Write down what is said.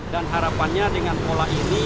dan harapannya dengan pola ini